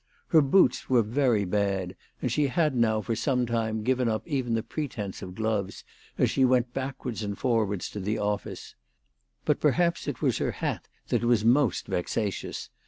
Her boots were very bad, and she had now for some time given up even the pretence of gloves as she went backwards and forwards to the office. But perhaps it was her hat that was most vexatious.